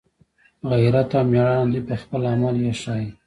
غیرت او میړانه دوی په خپل عمل یې ښایي